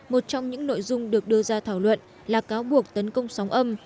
một trong những nội dung được đưa ra thảo luận là cáo buộc tấn công sóng âm